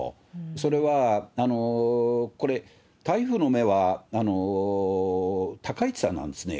それは、これ、台風の目は高市さんなんですね。